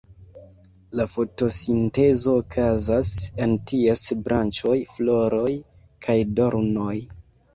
La fotosintezo okazas en ties branĉoj, floroj kaj dornoj.